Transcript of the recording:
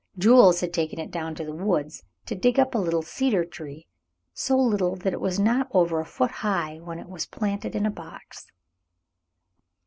Jules had taken it down to the woods to dig up a little cedar tree, so little that it was not over a foot high when it was planted in a box.